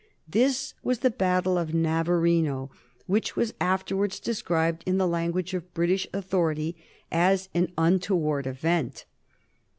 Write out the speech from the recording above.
This was the battle of Navarino, which was afterwards described in the language of British authority as "an untoward event."